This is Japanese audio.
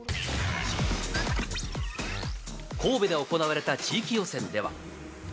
神戸で行われた地域予選では。